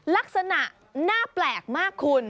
ลักษณะหน้าแปลกมากคุณ